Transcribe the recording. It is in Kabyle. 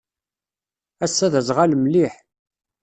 Ass-a d azɣal mliḥ.